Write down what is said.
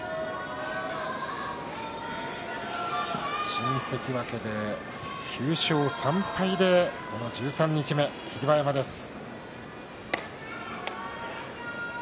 新関脇で９勝３敗でこの十三日目、霧馬山です。